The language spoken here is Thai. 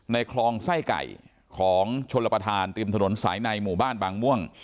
คลองไส้ไก่ของชนประธานติมถนนสายในหมู่บ้านบางม่วง